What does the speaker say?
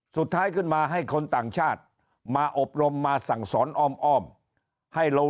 สุดท้ายขึ้นมาให้คนต่างชาติมาอบรมมาสั่งสอนอ้อมให้เรา